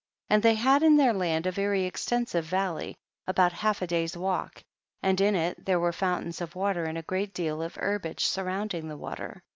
12. And they had in their land a very extensive valley, about half a day's walk, and in it there were fountains of water and a great deal of herbage surrounding the water.